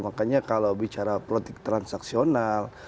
makanya kalau bicara politik transaksional